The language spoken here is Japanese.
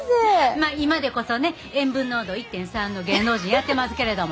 まあ今でこそね塩分濃度１．３の芸能人やってますけれども。